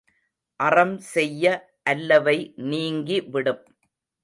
அறம் செய்ய அல்லவை நீங்கி விடும்.